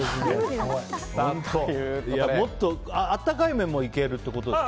温かい麺もいけるってことですか。